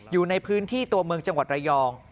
อยู่ในพื้นที่ตัวเมืองจังหวัดระยอง